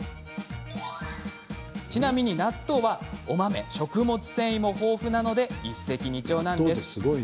ちなみに納豆は食物繊維も豊富なので一石二鳥なんです。